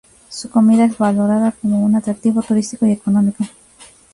Su comida es valorada como un atractivo turístico y económico.